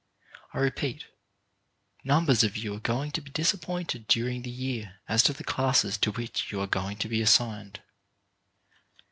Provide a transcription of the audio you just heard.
I repeat, numbers of you are going to be disappointed during the year as to the classes to which you are going to be assigned.